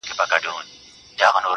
• د ځناورو په خوني ځنگل کي.